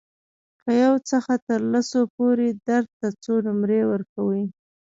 له یو څخه تر لسو پورې درد ته څو نمرې ورکوئ؟